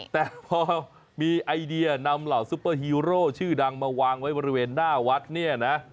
แต่พอมีไอเดียนำเหล่าซุปเปอร์ฮีโร่ชื่อดังมาวางไว้บริเวณหน้าวัดเนี่ยนะ